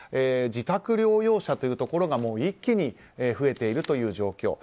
自宅療養者というところが一気に増えているという状況。